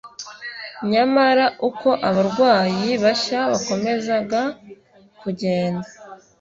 Nyamara uko abarwayi bashya bakomezaga kugenda